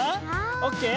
オッケー？